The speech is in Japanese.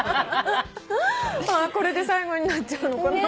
これで最後になっちゃうのかな